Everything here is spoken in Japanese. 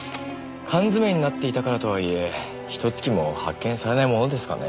缶詰になっていたからとはいえひと月も発見されないものですかね？